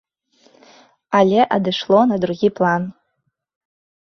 Але адышло на другі план.